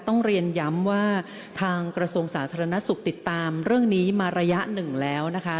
ต้องเรียนย้ำว่าทางกระทรวงสาธารณสุขติดตามเรื่องนี้มาระยะหนึ่งแล้วนะคะ